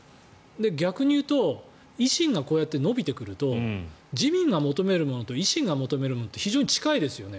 逆に言うと維新がこうやって伸びてくると自民が求めるものと維新が求めるものって非常に近いですよね。